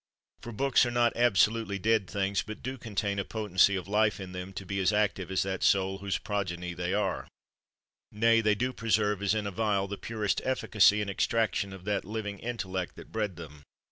For books are not absolutely dead things, but do contain a potency of life in them to be as active as that soul was whose progeny they are ; nay, they do preserve as in a vial the purest efficacy and extraction of that living intellect that bred them.